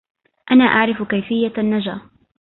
انا اعرف كيفية النجاة